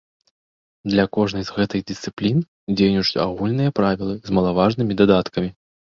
Для кожнай з гэтых дысцыплін дзейнічаюць агульныя правілы з малаважнымі дадаткамі.